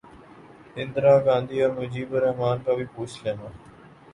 اندرا گاندھی اور مجیب الر حمن کا بھی پوچھ لینا